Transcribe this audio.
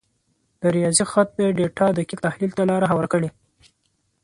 د ریاضي خط د ډیټا دقیق تحلیل ته لار هواره کړه.